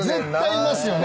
いますよね。